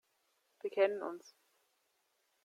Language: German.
Wir kennen uns.